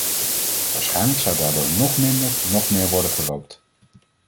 Waarschijnlijk zou daardoor noch minder noch meer worden gerookt.